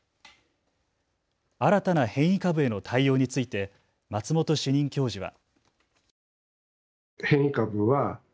新たな変異株への対応について松本主任教授は。